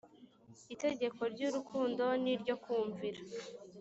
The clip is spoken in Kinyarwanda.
itegeko ry’urukundo n’iryo kumvira